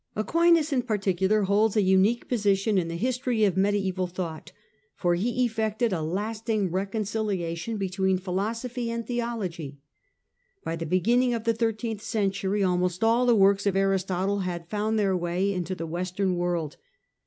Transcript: Aquinas, in particular, holds a unique position in the history of mediaeval thought, for he effected a lasting reconciliation between philosophy and theology. By the beginning of the thirteenth century almost all the works of Aristotle had found their way into the western world.